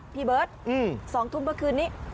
พี่เบิร์ต๒ทุ่มเมื่อคืนนี้